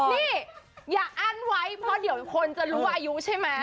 นี่อย่าอั้นไว้เพราะเดี๋ยวคนจะรู้อายุใช่ไหม